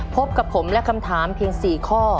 พบกับผมและคำถามเพียง๔ข้อ